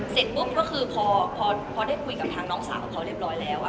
เสร็จปุ๊บก็คือพอได้คุยกับทางน้องสาวเขาเรียบร้อยแล้ว